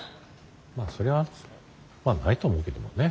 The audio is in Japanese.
まあそれはまあないと思うけどもね。